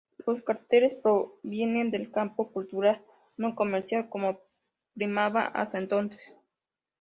Los carteles provienen del campo cultural, no comercial, como primaba hasta entonces.